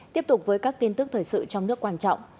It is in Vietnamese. tiếp tục với các tin tức thời sự trong nước quan trọng